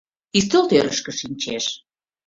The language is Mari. Ӱстелтӧрышкӧ шинчеш